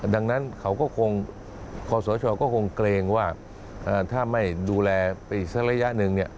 ดังนั้นขอสชก็คงเกรงว่าถ้าไม่ดูแลไปซักระยะหนึ่ง